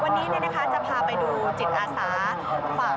วันนี้จะพาไปดูจิตอาสาฝาก